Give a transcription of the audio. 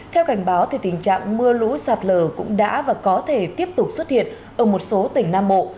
theo cảnh báo tình trạng mưa lũ sạt lở cũng đã và có thể tiếp tục xuất hiện ở một số tỉnh nam bộ